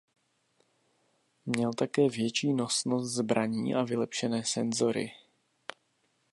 Měl také větší nosnost zbraní a vylepšené senzory.